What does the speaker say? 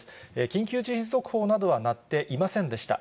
緊急地震速報などは鳴っていませんでした。